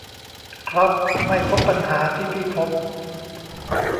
ครับ ไม่พบปัญหาที่พี่พบ